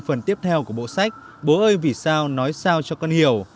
phần tiếp theo của bộ sách bố ơi vì sao nói sao cho con hiểu